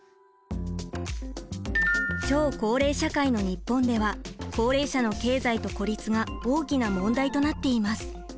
超高齢社会の日本では高齢者の経済と孤立が大きな問題となっています。